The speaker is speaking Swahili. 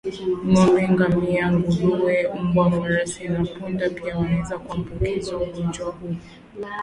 Ngombe ngamia nguruwe mbwa farasi na punda pia wanaweza kuambukizwa ugonjwa huu